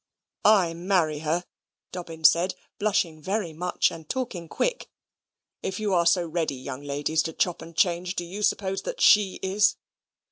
He! he!" "I marry her!" Dobbin said, blushing very much, and talking quick. "If you are so ready, young ladies, to chop and change, do you suppose that she is?